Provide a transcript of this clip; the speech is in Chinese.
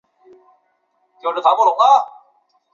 甚至于秋刀鱼也有烤鱼串的罐头在市面上贩售。